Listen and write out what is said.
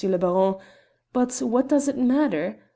le Baron. But what does it matter?